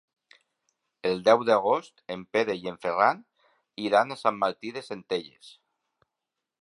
El deu d'agost en Pere i en Ferran iran a Sant Martí de Centelles.